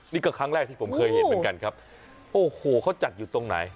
นี่ก็ครั้งแรกที่ผมเคยเห็นเหมือนกันครับโอ้โหเขาจัดอยู่ตรงไหน